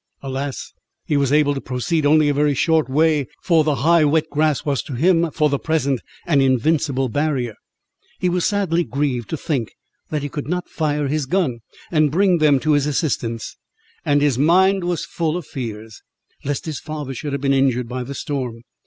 Alas! he was able to proceed only a very short way, for the high wet grass was to him, for the present, an invincible barrier. He was sadly grieved to think that he could not fire his gun, and bring them to his assistance; and his mind was full of fears, lest his father should have been injured by the storm.